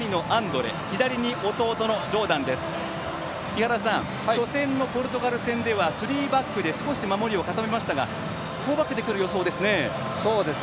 井原さん初戦のポルトガル戦ではスリーバックで少し守りを固めましたがフォーバックでくる予想ですね。